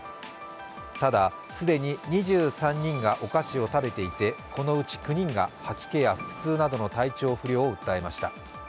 ただ、既に２３人がお菓子を食べていて、このうち９人が吐き気や腹痛などの体調不良を訴えました。